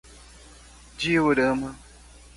Diorama